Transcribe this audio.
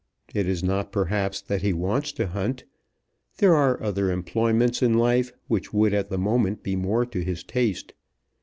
It is not perhaps that he wants to hunt. There are other employments in life which would at the moment be more to his taste.